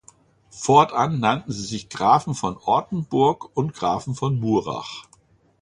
Fortan nannten sie sich Grafen von Ortenburg und Grafen von Murach.